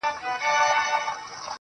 زړه ته د ښايست لمبه پوره راغلې نه ده.